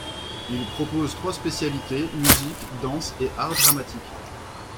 Il propose trois spécialités, musique, danse et art dramatique.